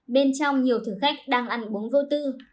bên trong nhiều thử khách đang ăn uống vô tư